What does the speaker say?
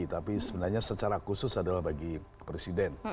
tapi sebenarnya secara khusus adalah bagi presiden